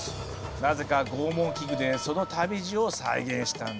なぜか拷問器具でその旅路を再現したんだ。